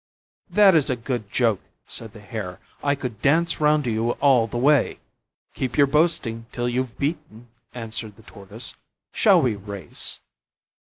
"That is a good joke," said the Hare; "I could dance round you all the way." "Keep your boasting till you've beaten," answered the Tortoise. "Shall we race?"